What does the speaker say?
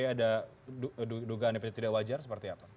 ada dugaan yang tidak wajar seperti apa